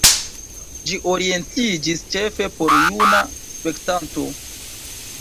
Ĝi orientiĝis ĉefe por juna spektanto.